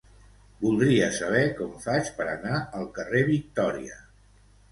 Voldria saber com faig per anar al carrer Victòria.